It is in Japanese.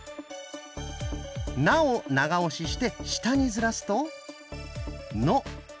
「な」を長押しして下にずらすと「の」。